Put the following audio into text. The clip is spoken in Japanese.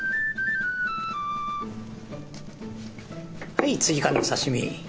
はい追加の刺身。